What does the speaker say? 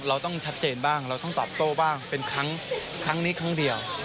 เราต้องชัดเจนบ้างเราต้องตอบโต้บ้างเป็นครั้งนี้ครั้งเดียว